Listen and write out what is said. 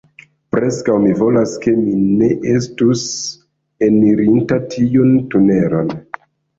Preskaŭ mi volas ke mi ne estus enirinta tiun tuneleton.